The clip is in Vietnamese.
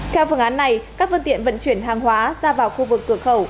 theo phương án này các phương tiện vận chuyển hàng hóa ra vào khu vực cửa khẩu